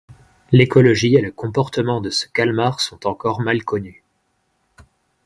L'écologie et le comportement de ce calmar sont encore mal connus.